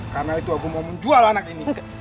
karena itu aku mau menjual anak ini